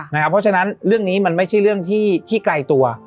เพราะฉะนั้นเรื่องนี้มันไม่ใช่เรื่องที่ไกลตัว